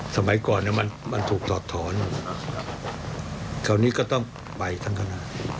สมัยก่อนมันถูกถอดถอนคราวนี้ก็ต้องไปทั้งคณะ